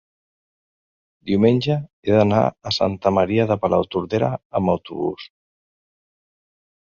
diumenge he d'anar a Santa Maria de Palautordera amb autobús.